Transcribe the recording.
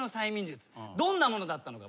どんなものだったのか？